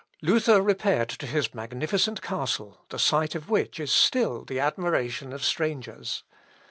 Luther repaired to his magnificent castle, the site of which is still the admiration of strangers.